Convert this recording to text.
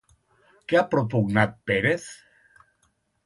Què ha propugnat Pérez?